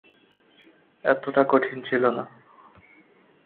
এতটা কঠিন ছিল না।